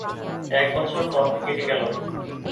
এক বছর পথে কেটে গেল।